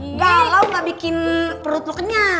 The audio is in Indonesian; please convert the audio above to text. nggalau gak bikin perut lo kenyang